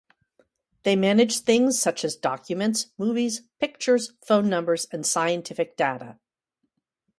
They manage things such as documents, movies, pictures, phone numbers, and scientific data.